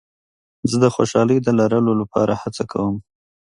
زه د خوشحالۍ د لرلو لپاره هڅه کوم.